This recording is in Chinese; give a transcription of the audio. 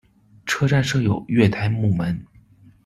车站设有月台幕门。